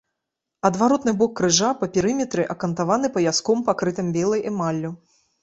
Адваротны бок крыжа па перыметры акантаваны паяском, пакрытым белай эмаллю.